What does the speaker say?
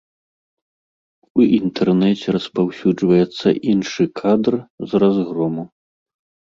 У інтэрнэце распаўсюджваецца іншы кадр з разгрому.